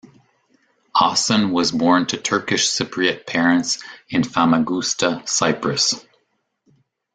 Ozsan was born to Turkish Cypriot parents in Famagusta, Cyprus.